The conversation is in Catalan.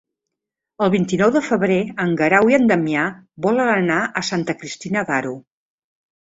El vint-i-nou de febrer en Guerau i en Damià volen anar a Santa Cristina d'Aro.